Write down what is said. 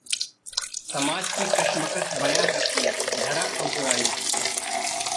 समाज की कशमकश बयां करती 'धरा अंकुराई'